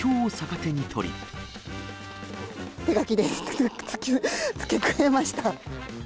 手書きで付け加えました。